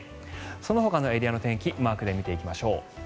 そのほかのエリアの天気をマークで見ていきましょう。